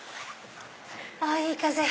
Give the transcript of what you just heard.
あいい風！